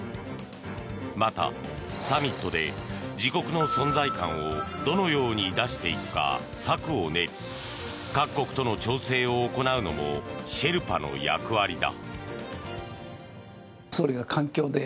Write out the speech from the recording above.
また、サミットで自国の存在感をどのように出していくか策を練り、各国との調整を行うのもシェルパの役割だ。